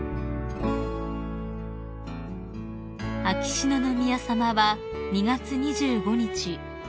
［秋篠宮さまは２月２５日